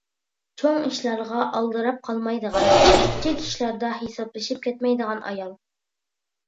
چوڭ ئىشلارغا ئالدىراپ قالمايدىغان، كىچىك ئىشلاردا ھېسابلىشىپ كەتمەيدىغان ئايال.